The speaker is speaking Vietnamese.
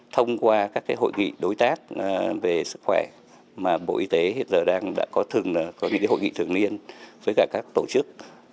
thông qua các hội nghị đối tác về sức khỏe mà bộ y tế hiện giờ đang có hội nghị thường liên với các tổ chức